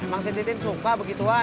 memang si titin sumpah begituan